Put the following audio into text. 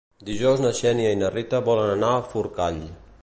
Dijous na Xènia i na Rita volen anar a Forcall.